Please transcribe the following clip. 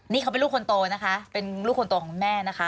นี่เขาเป็นลูกคนโตนะคะเป็นลูกคนโตของคุณแม่นะคะ